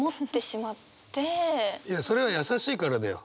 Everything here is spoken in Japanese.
いやそれは優しいからだよ。